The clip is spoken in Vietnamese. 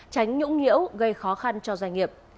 tránh nhũng nhiễu gây khó khăn cho doanh nghiệp